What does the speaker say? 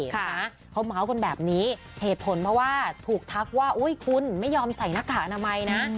เขาเกี่ยวกับคนแบบนี้เหตุผลว่าถูกทักว่าคุณไม่ยอมใส่หน้ากากอนามัยนะ